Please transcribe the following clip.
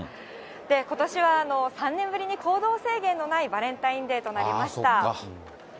ことしは３年ぶりに行動制限のないバレンタインデーとなりました。